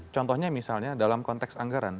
contohnya misalnya dalam konteks anggaran